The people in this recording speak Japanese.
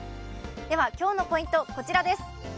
では、今日のポイント、こちらです。